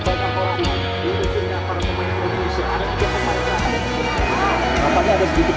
apakah ada begitu berubah